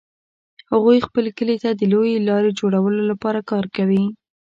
هغوی خپل کلي ته د لویې لارې جوړولو لپاره کار کوي